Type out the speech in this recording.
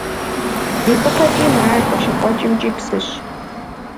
Ди гупэкӀи, Марэр къыщыкъуэкӀымкӀи псыщ.